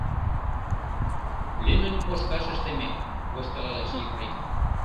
— Лӱмын кошкаш ыштыме, — воштылалеш Епрем.